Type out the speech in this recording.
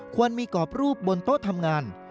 ควรมีกรอบรูปบนโต๊ะทำงาน